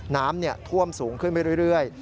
น้ำท่วมสูงขึ้นไปเรื่อย